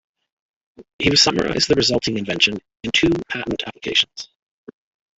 He summarized the resulting invention in two patent applications.